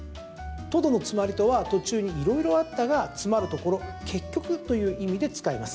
とどのつまりとは途中に色々あったがつまるところ、結局という意味で使います。